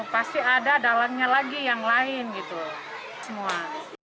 pasti ada dalangnya lagi yang lain gitu semua